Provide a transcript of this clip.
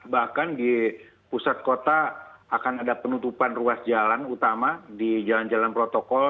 bahkan di pusat kota akan ada penutupan ruas jalan utama di jalan jalan protokol